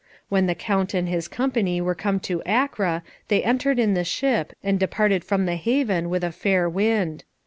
When the Count and his company were come to Acre they entered in the ship, and departed from the haven with a fair wind.